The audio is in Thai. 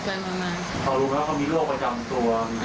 เขารู้ไหมว่าเขามีโรคประจำตัว